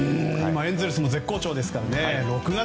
エンゼルスも絶好調ですからね。